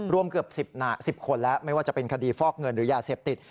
รวมเกือบ๑๐คนแล้วไม่ว่าจะเป็นคดีฟอกเงินหรือยาเสพติด